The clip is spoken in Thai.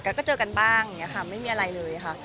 แต่ก็เจอกันบ้างนี่ค่ะไม่มีอะไรเลยค่ะ